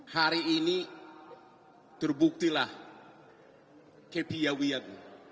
hari ini terbuktilah kepiawiyagu